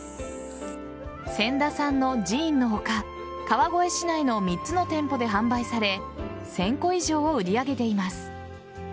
千田さんの寺院の他川越市内の３つの店舗で販売され１０００個以上を売り上げています。